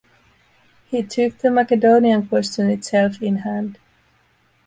He took the Macedonian question itself in hand.